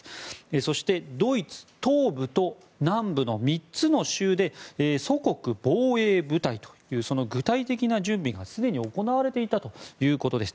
そしてドイツ東部と南部の３つの州で祖国防衛部隊という具体的な準備がすでに行われていたということです。